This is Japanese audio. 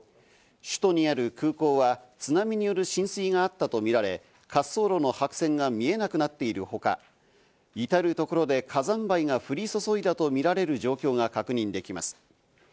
首都にある空港は津波による浸水があったとみられ、滑走路の白線が見えなくなっているほか、いたるところで火山灰が降り注いだとみられる状況が確認できます。